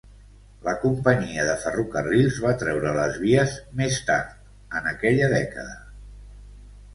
La companyia de ferrocarrils va treure les vies més tard en aquella dècada.